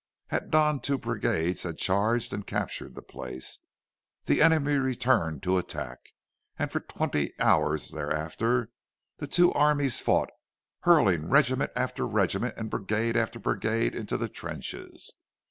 At dawn two brigades had charged and captured the place. The enemy returned to the attack, and for twenty hours thereafter the two armies fought, hurling regiment after regiment and brigade after brigade into the trenches.